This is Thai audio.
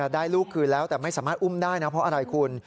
ได้ลูกคืนแล้วแต่ไม่สามารถอุ้มได้นะเพราะอะไรคุณ